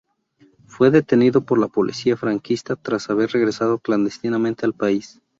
Fue detenido por la policía franquista tras haber regresado clandestinamente al país.